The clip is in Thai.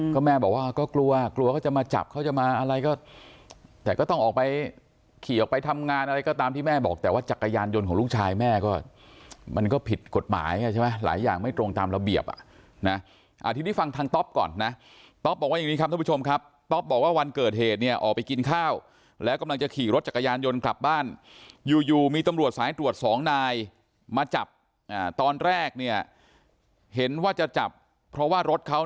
ก็แม่บอกว่าก็กลัวกลัวเขาจะมาจับเขาจะมาอะไรก็แต่ก็ต้องออกไปขี่ออกไปทำงานอะไรก็ตามที่แม่บอกแต่ว่าจักรยานยนต์ของลูกชายแม่ก็มันก็ผิดกฎหมายใช่ไหมหลายอย่างไม่ตรงตามระเบียบนะอาทิตย์ที่ฟังทางต๊อปก่อนนะต๊อปบอกว่าอย่างนี้ครับท่านผู้ชมครับต๊อปบอกว่าวันเกิดเหตุเนี่ยออกไปกินข้าวแล้วกำลังจะขี่รถจั